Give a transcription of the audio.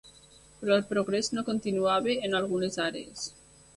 Però el progrés no continuava en algunes àrees.